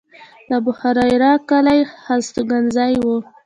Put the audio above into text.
د ابوهریره کلی هستوګنځی و.